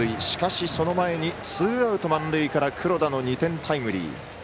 しかし、その前にツーアウト、満塁から黒田の２点タイムリー。